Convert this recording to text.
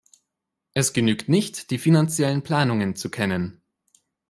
Es genügt nicht, die finanziellen Planungen zu kennen.